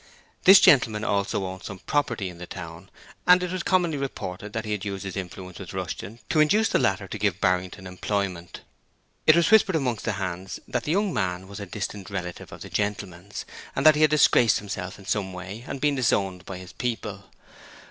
This gentleman also owned some property in the town and it was commonly reported that he had used his influence with Rushton to induce the latter to give Barrington employment. It was whispered amongst the hands that the young man was a distant relative of the gentleman's, and that he had disgraced himself in some way and been disowned by his people.